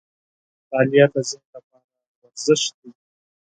• مطالعه د ذهن لپاره ورزش دی.